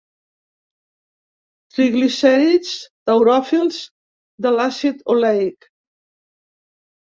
Triglicèrids tauròfils de l'àcid oleic.